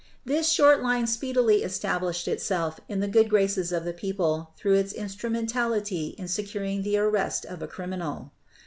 This short line speedily established itself in the good graces of the people through its instrumentality in securing the arrest of a criminal.